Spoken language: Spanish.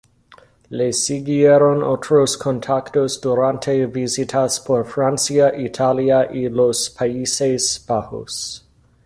Le siguieron otros contactos durante visitas por Francia, Italia y los Países Bajos.